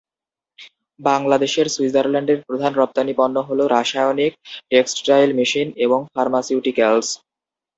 বাংলাদেশে সুইজারল্যান্ডের প্রধান রপ্তানি পণ্য হলো রাসায়নিক, টেক্সটাইল মেশিন এবং ফার্মাসিউটিক্যালস।